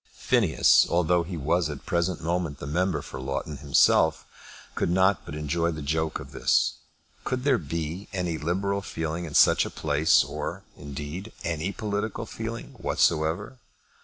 Phineas, although he was at the present moment the member for Loughton himself, could not but enjoy the joke of this. Could there be any liberal feeling in such a place, or, indeed, any political feeling whatsoever?